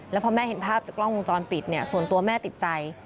แล้วพอแม่เห็นภาพจากกล้องวงจรปิดเนี่ยส่วนตัวแม่ติดใจ